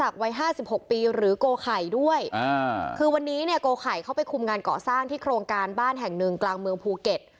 คือวันนี้เนี่ยโกไข่เข้าไปคุมงานเกาะสร้างที่โครงการบ้านแห่งหนึ่งกลางเมืองภูเก็ต